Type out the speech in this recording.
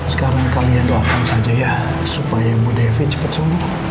sekarang kalian doakan saja ya supaya bu devi cepat sembuh